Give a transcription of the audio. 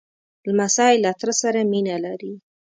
لمسی له تره سره مینه لري.